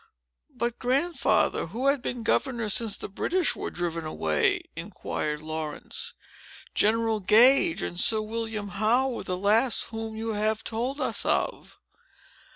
"But, Grandfather, who had been governor since the British were driven away?" inquired Laurence. "General Gage and Sir William Howe were the last whom you have told us of."